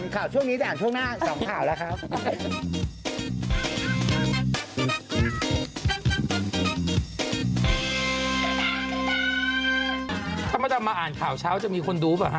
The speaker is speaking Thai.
ถ้ามดำมาอ่านข่าวเช้าจะมีคนดูป่ะฮะ